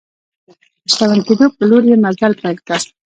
د شتمن کېدو په لور یې مزل پیل کړ.